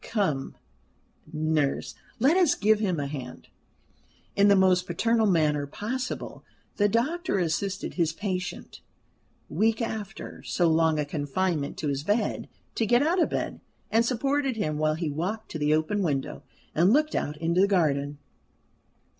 Come, nurse, let us give him a hand." In the most paternal manner possible the doctor assisted his patient, weak, after so long a confinement to his bed, to get out of bed, and supported him while he walked to the open window, and looked out into the garden.